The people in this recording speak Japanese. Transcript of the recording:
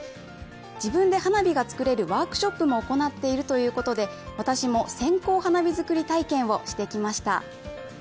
自分で花火がつくれるワークショップも行っているということで、私も線香花火作り体験をしてきました。